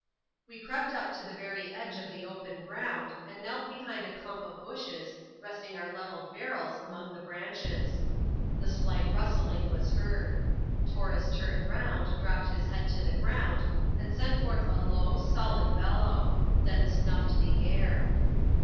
We crept up to the very edge of the open ground, and knelt behind a clump of bushes, resting our levelled barrels among the branches. The slight rustling was heard. Taurus turned round, dropped his head to the ground, and sent forth a low, sullen bellow; then snuffed the air.